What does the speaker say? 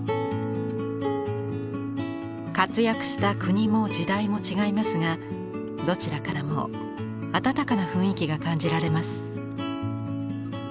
活躍した国も時代も違いますがどちらからも温かな雰囲気が感じられます。